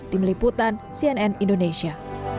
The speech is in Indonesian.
tim liputan cnn indonesia